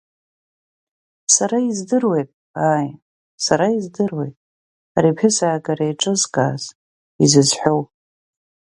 Сара издыруеит, ааи, сара издыруеит, ари аԥҳәысаагара еиҿызкааз, изызҳәоу.